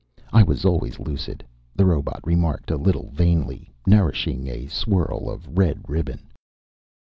"I was always lucid," the robot remarked a little vainly, nourishing a swirl of red ribbon.